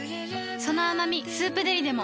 その甘み「スープデリ」でも